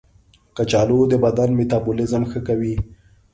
کچالو د بدن میتابولیزم ښه کوي.